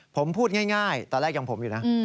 ผมพูดง่ายตอนแรกยังผมอยู่นะ